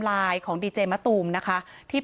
แล้วก็คนที่